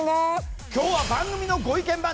今日は番組のご意見